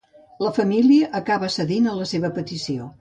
La família acaba cedint a la seva petició.